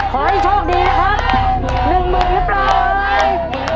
ขอให้โชคดีนะครับ๑หมื่นหรือเปล่า